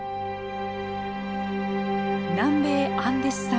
南米アンデス山脈。